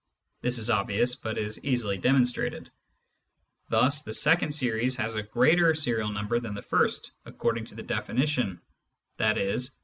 (This is obvious, but is easily demonstrated.) Thus the second series has a greater serial number than the first, according to the definition — i.e.